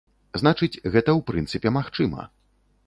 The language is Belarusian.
Значыць, гэта ў прынцыпе магчыма.